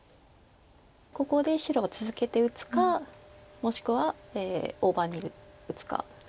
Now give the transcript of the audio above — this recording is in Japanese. ここで白は続けて打つかもしくは大場に打つか。